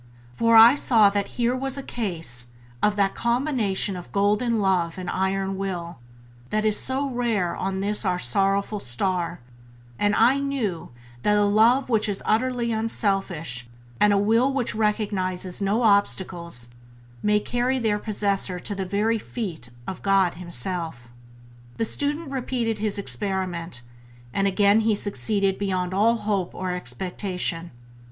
For I saw that here was a case of that combination of golden love and iron will that is so rare on this our Sorrowful Star; and I knew that a love which is utterly unselfish and a will which recognizes no obstacles may carry their possessor to the very Feet of God Himself. The student repeated his experiment, and again he succeeded beyond all hope or expectation.